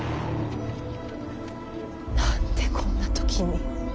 何でこんな時に。